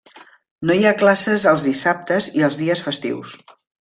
No hi ha classes els dissabtes i els dies festius.